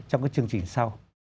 trong các chương trình sau